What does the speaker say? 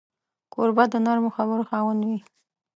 کوربه د نرمو خبرو خاوند وي.